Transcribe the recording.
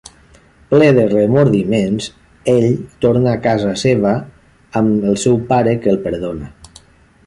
Ple de remordiments, ell torna a casa seva, amb el seu pare que el perdona.